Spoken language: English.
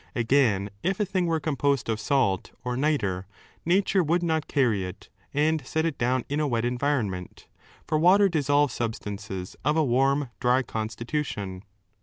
Again, if a thing were composed of salt or nitre, nature would not carry it and set it down in a wet environment, for water dissolves substances of a 6 warm, dry constitution.